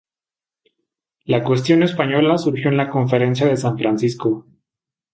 La cuestión española surgió en la Conferencia de San Francisco.